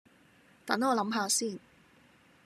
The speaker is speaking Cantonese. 等我諗吓先